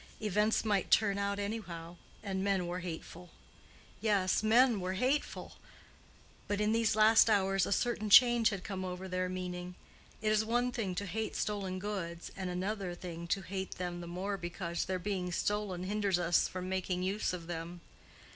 Events might turn out anyhow, and men were hateful. Yes, men were hateful. But in these last hours, a certain change had come over their meaning. It is one thing to hate stolen goods, and another thing to hate them the more because their being stolen hinders us from making use of them.